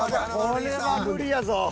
これは無理やぞ。